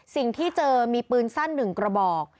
สิ่งที่เจอมีปืนสั้น๑กระบอก